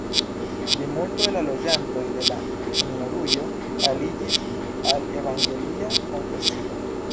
Plimulto de la loĝantoj de la sinjorujo aliĝis al evangelia konfesio.